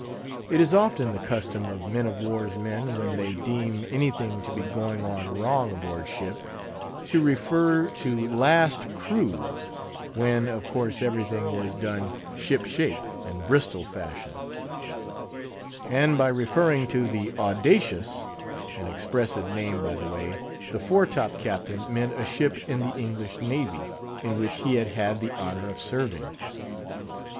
It is often the custom of men of war's men, when they deem anything to be going on wrong aboard ship to refer to last cruise when of course everything was done ship shape and Bristol fashion. And by referring to the Audacious—an expressive name by the way—the fore top Captain meant a ship in the English navy, in which he had had the honour of serving.